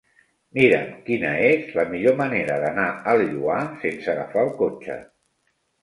Mira'm quina és la millor manera d'anar al Lloar sense agafar el cotxe.